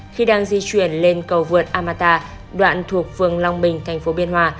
khi đang di chuyển lên cầu vượt amata đoạn thuộc phường long bình thành phố biên hòa